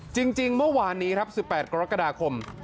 จริงเมื่อวานนี้ครับ๑๘กรกฎาคม